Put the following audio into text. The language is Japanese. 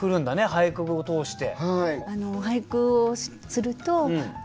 俳句を通して。